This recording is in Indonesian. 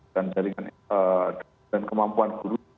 dan kemampuan guru